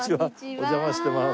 お邪魔してます。